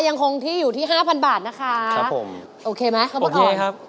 ยังคงที่อยู่ที่๕๐๐๐บาทนะคะโอเคไหมข้าวโบสถ์อ่อนโอเคครับ